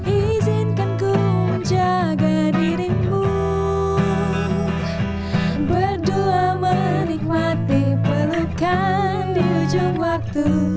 izinkanku menjaga dirimu berdua menikmati pelukan di ujung waktu